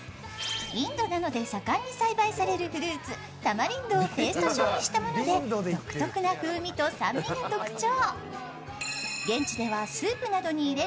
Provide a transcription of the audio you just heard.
インドなどで盛んに栽培されるフルーツ、タマリンドをペースト状にしたもので独特の風味と酸味が特徴。